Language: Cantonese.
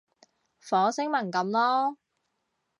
火星文噉囉